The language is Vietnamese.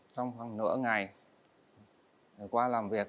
trong khoảng nửa ngày qua làm việc